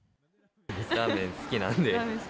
ラーメン好きなんで。